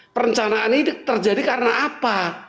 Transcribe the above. perencanaan ini terjadi karena apa